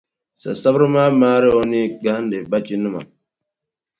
Sasabira maa maari o nii gahindi bachinima.